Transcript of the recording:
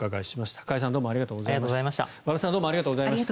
加谷さん、和田さんどうもありがとうございました。